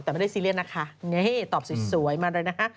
แต่ไม่ได้ซีเรียสนะคะนี่ตอบสวยมาเลยนะคะ